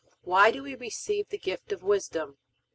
Why do we receive the gift of Wisdom?